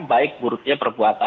baik buruknya perbuatan